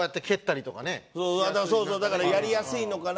だからやりやすいのかな